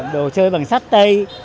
đồ chơi bằng sắt tây